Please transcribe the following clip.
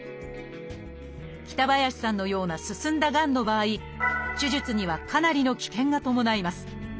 北林さんのような進んだがんの場合手術にはかなりの危険が伴います。